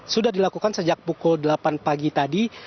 sudah dilakukan sejak pukul delapan pagi tadi